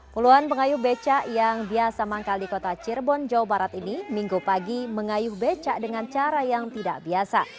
puluhan pengayuh beca yang biasa manggal di kota cirebon jawa barat ini minggu pagi mengayuh becak dengan cara yang tidak biasa